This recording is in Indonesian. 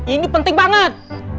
ini penting banget